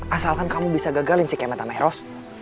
asalkan kamu bisa gagalin si kemeta meros